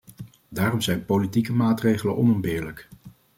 Daarom zijn politieke maatregelen onontbeerlijk.